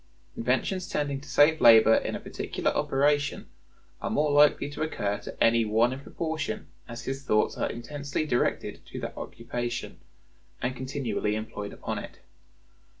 Inventions tending to save labor in a particular operation are more likely to occur to any one in proportion as his thoughts are intensely directed to that occupation, and continually employed upon it.